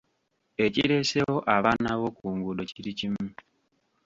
Ekireeseewo abaana b’oku nguudo kiri kimu.